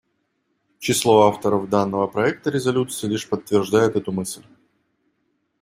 Число авторов данного проекта резолюции лишь подтверждает эту мысль.